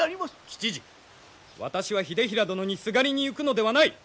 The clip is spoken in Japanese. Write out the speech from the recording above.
吉次私は秀衡殿にすがりに行くのではない。